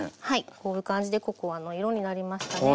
こういう感じでココアの色になりましたね。